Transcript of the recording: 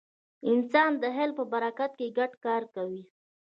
انسان د خیال په برکت ګډ کار کوي.